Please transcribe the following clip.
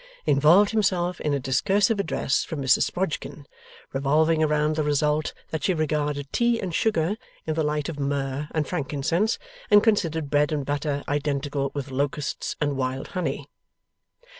involved himself in a discursive address from Mrs Sprodgkin, revolving around the result that she regarded tea and sugar in the light of myrrh and frankincense, and considered bread and butter identical with locusts and wild honey.